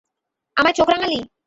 আমায় চোখ রাঙালি?